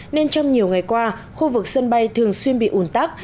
nên trong nhiều ngày qua khu vực sân bay thường xuyên bị ủn tắc